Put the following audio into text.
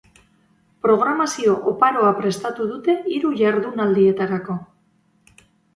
Programazio oparoa prestatu dute hiru jardunaldietarako.